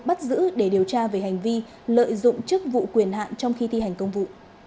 bắt giữ để điều tra về hành vi lợi dụng chức vụ quyền hạn trong khi thi hành công vụ